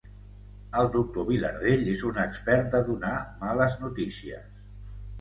El doctor Vilardell és un expert de donar males notícies.